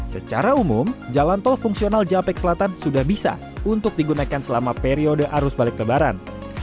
secara umum jalan tol fungsional japek selatan sudah bisa untuk digunakan selama periode arus balik lebaran